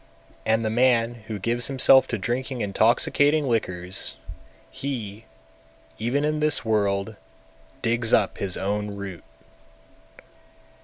And the man who gives himself to drinking intoxicating liquors, he, even in this world, digs up his own root.